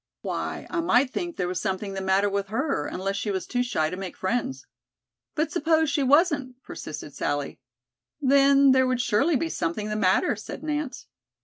"Why, I might think there was something the matter with her, unless she was too shy to make friends." "But suppose she wasn't?" persisted Sally. "Then, there would surely be something the matter," said Nance.